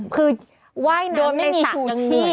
คือว่ายน้ำไปสระอย่างนี้